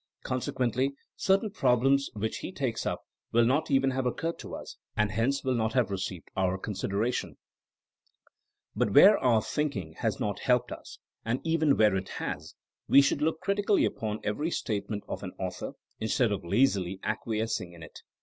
Consequently certain problems which THINEINO AS A SCIENCE 159 he takes up will not even have occurred to us, and hence will not have received our considera tion. But where our thinking has not helped us, and even where it has, we should look critically upon every statement of an author, instead of lazily acquiescing in it.